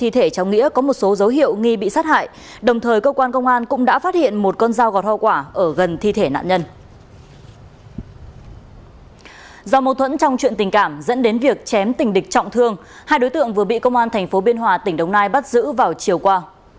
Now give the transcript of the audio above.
trong chuyện tình cảm dẫn đến việc chém tình địch trọng thương hai đối tượng vừa bị công an thành phố biên hòa tỉnh đông nai bắt giữ vào chiều qua